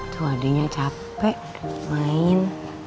tuh adeknya capek main